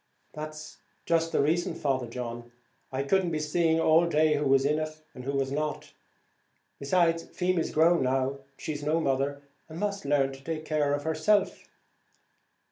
"That's just the reason, Father John, I couldn't be seeing all day who was in it and who was not; besides, Feemy's grown now; she's no mother, and must learn to care for herself."